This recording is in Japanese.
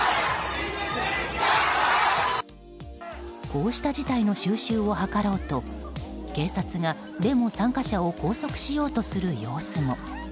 こうした事態の収拾を図ろうと警察がデモ参加者を拘束しようとする様子も。